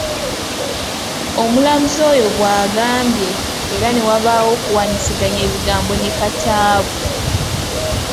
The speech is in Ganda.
Omulamuzi Ayo bw’agambye era ne wabaawo okuwaanyisiganya ebigambo ne Kataabu.